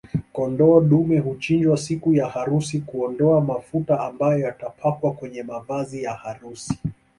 Kondoo dume huchinjwa siku ya harusi kuondoa mafuta ambayo yatapakwa kwenye mavazi ya harusi